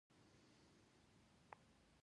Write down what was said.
د زړه ناروغۍ ځینې وختونه ناڅاپي ښکاره کېږي.